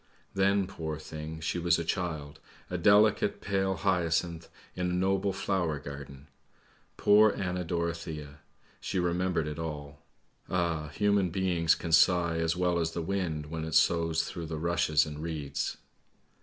Then, poor thing, she was a child, a delicate, pale hyacinth in a noble flower garden. Poor Anna Dorothea; she remembered it all! Ah, human beings can sigh as well as the wind when it soughs through the rushes and reeds.